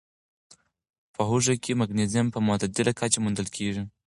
په هوږه کې مګنيزيم په معتدله کچه موندل کېږي.